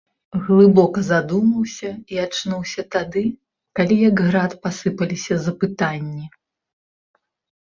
Глыбока задумаўся і ачнуўся тады, калі як град пасыпаліся запытанні.